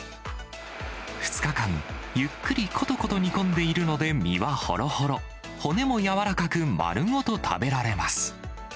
２日間、ゆっくりことこと煮込んでいるので、身はほろほろ、骨も柔らかく、丸ごと食べられます。